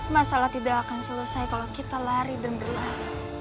masalah tidak akan selesai kalau kita lari dan berlari